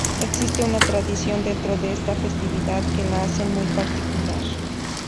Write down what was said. Existe una tradición dentro de esta festividad que la hace muy particular.